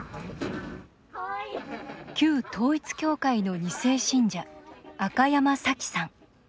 旧統一教会の２世信者赤山さきさん。